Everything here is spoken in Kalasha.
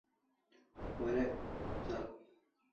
Warek zakum